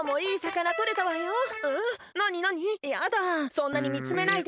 そんなにみつめないで。